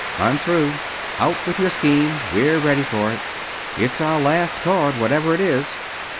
"I'm through. Out with your scheme. We're ready for it. It's our last card, whatever it is."